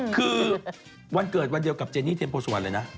คือวันเกิดวันเดียวกับเจนี่เทมโพสุวรรณเลยนะ